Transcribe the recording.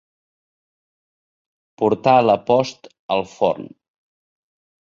Portar la post al forn.